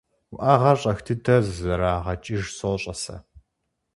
- Уӏэгъэр щӏэх дыдэ зэрагъэкӏыж сощӏэ сэ.